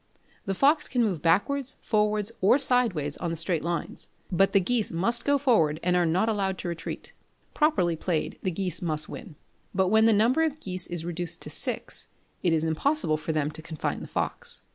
The fox can move backwards, forwards, or sideways on the straight lines; but the geese must go forward, and are not allowed to retreat. Properly played, the geese must win; but when the number of geese is reduced to six, it is impossible for them to confine the fox.